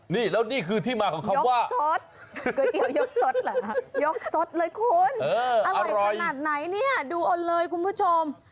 นี่แล้วนี่คือที่มาของคำว่าสดก๋วยเตี๋ยวยกสดเหรอฮะยกสดเลยคุณอร่อยขนาดไหนเนี่ยดูเอาเลยคุณผู้ชม